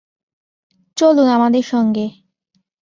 চলুন আমাদের সঙ্গে।